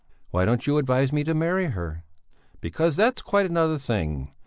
"Why don't you advise me to marry her?" "Because that's quite another thing!